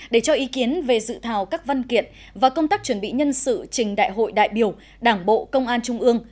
để cho ý kiến về dự thảo các văn kiện và công tác chuẩn bị nhân sự trình đại hội đại biểu đảng bộ công an trung ương